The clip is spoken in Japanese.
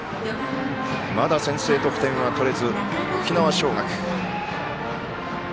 まだ先制得点は取れず沖縄尚学。